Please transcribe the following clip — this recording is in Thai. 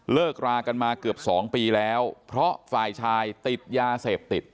เลิกรากันมาเกือบสองปีแล้วเพราะฝ่ายชายติดยาเสพติด